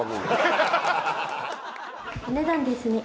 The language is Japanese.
お値段ですね。